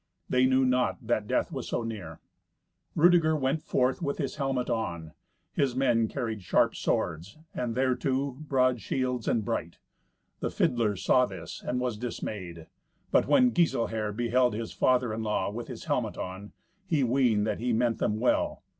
They knew not that death was so near. Rudeger went forth with his helmet on; his men carried sharp swords, and, thereto, broad shields and bright. The fiddler saw this, and was dismayed. But when Giselher beheld his father in law with his helmet on, he weened that he meant them well.